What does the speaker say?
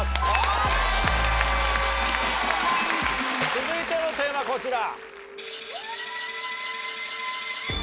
続いてのテーマこちら。